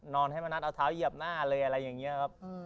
นอนให้มานัดเอาเท้าเยียบหน้าเลยอะไรแบบนี้ครับ